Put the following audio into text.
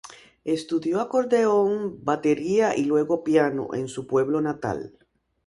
Estudió acordeón, batería y luego piano, en su pueblo natal.